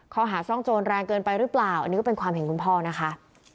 ข้อหาซ่องโจรแรงเกินไปหรือเปล่าอันนี้ก็เป็นความเห็นคุณพ่อนะคะ